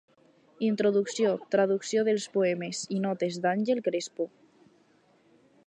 Introducció, traducció dels poemes i notes d'Ángel Crespo.